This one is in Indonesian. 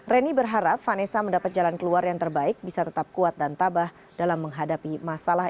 reni berharap vanessa mendapat jalan keluar yang terbaik bisa tetap kuat dan tabah dalam menghadapi masalah